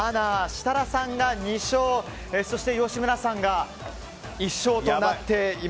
設楽さんが２勝そして吉村さんが１勝です。